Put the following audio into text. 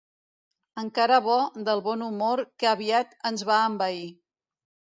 Encara bo del bon humor que aviat ens va envair.